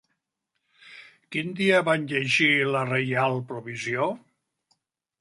Quin dia van llegir la reial provisió?